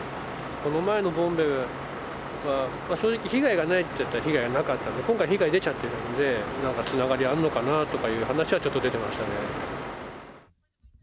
この前のボンベは、正直、被害がないっていったら被害がなかったんで、今回、被害出ちゃってるんで、なんかつながりあんのかなっていう話はちょっと出てましたね。